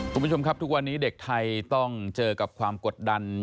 คุณผู้ชมครับทุกวันนี้เด็กไทยต้องเจอกับความกดดัน